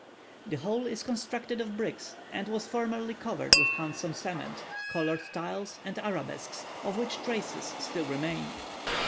The whole is constructed of bricks, and was formerly covered with handsome cement, coloured tiles, and arabesques, of which traces still remain.